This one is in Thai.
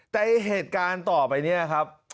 แต่เหตุการณ์ต่อไปเนี่ยครับ